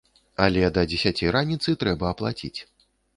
Але да дзесяці раніцы трэба аплаціць!